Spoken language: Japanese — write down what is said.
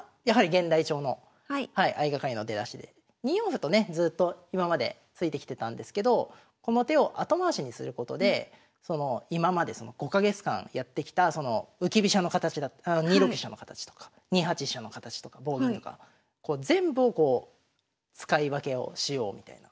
２四歩とねずっと今まで突いてきてたんですけどこの手を後回しにすることで今まで５か月間やってきたその浮き飛車の形２六飛車の形とか２八飛車の形とか棒銀とか全部をこう使い分けをしようみたいな。